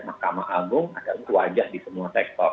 mahkamah agung adalah wajah di semua sektor